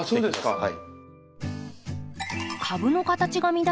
はい。